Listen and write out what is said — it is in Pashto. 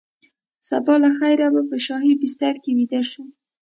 سبا له خیره به په شاهي بستره کې ویده شو.